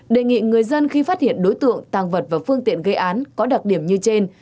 đề nghị người dân khi phát hiện đối tượng tàng vật và phương tiện gây án có đặc điểm như trên